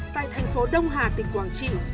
tại thành phố đông hà tỉnh quảng trị